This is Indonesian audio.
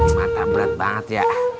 mata berat banget ya